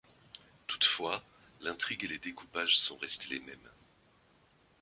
Toutefois, l'intrigue et le découpage sont restés les mêmes.